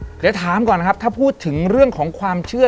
เดี๋ยวถามก่อนนะครับถ้าพูดถึงเรื่องของความเชื่อ